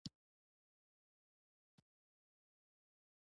د کابل سیند د افغانستان د طبیعت د ښکلا برخه ده.